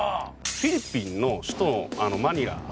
フィリピンの首都・マニラ